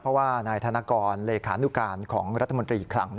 เพราะว่านายธนกรเลขานุการของรัฐมนตรีคลัง